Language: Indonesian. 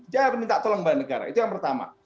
dia minta tolong kepada negara itu yang pertama